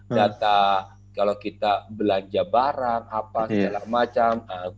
data kalau kita belanja barang apa segala macam